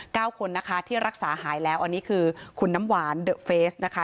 คนนะคะที่รักษาหายแล้วอันนี้คือคุณน้ำหวานเดอะเฟสนะคะ